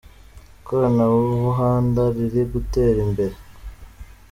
ikoranabuhanda rir gutera imbere.